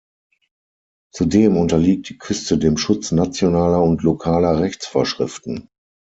Zudem unterliegt die Küste dem Schutz nationaler und lokaler Rechtsvorschriften.